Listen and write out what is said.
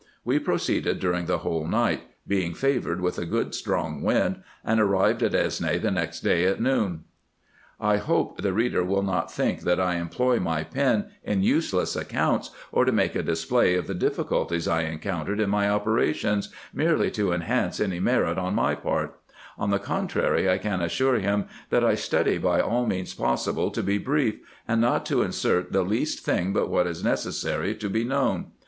We proceeded during the whole night, being favoured with a good strong wind, and arrived at Esne the next day at noon. I hope the reader will not think that I employ my pen in useless accounts, or to make a display of the difficulties I encountered in my operations, merely to enhance any merit on my part : on the contrary, I can assure him, that I study by all means possible to be brief, and not to insert the least thing but what is necessary to be known.